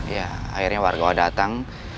ya akhirnya warga datang